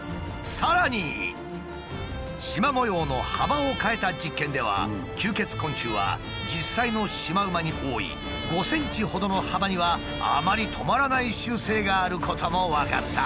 さらにシマ模様の幅を変えた実験では吸血昆虫は実際のシマウマに多い５ｃｍほどの幅にはあまりとまらない習性があることも分かった。